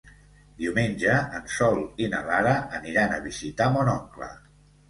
Diumenge en Sol i na Lara aniran a visitar mon oncle.